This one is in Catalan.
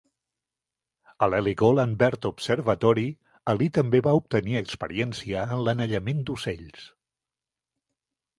A l'Heligoland Bird Observatory, Ali també va obtenir experiència en l'anellament d'ocells.